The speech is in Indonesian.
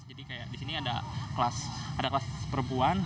jadi kayak disini ada kelas perempuan